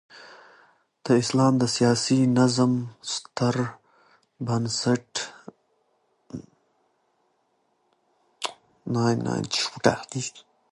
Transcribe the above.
د اسلام د سیاسي نظام ستره بنسټيزه سرچینه نبوي سنت دي.